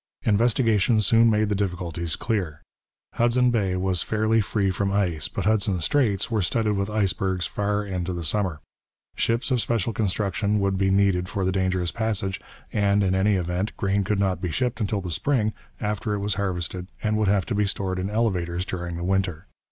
Investigation soon made the difficulties clear. Hudson Bay was fairly free from ice, but Hudson Straits were studded with icebergs far into the summer. Ships of special construction would be needed for the dangerous passage, and, in any event, grain could not be shipped until the spring after it was harvested and would have to be stored in elevators during the winter.